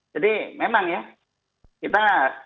jadi memang ya kita